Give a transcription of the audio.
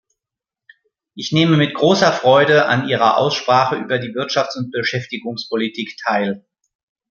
Ich nehme mit großer Freude an Ihrer Aussprache über die Wirtschafts- und Beschäftigungspolitik teil.